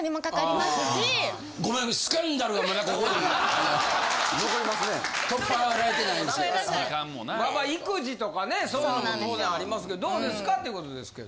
まあまあ育児とかねそういうのも当然ありますけどどうですかっていう事ですけど。